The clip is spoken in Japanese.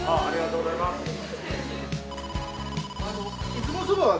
ありがとうございます。